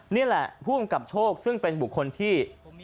นี่แหละผู้กำกับโชคซึ่งเป็นบุคคลที่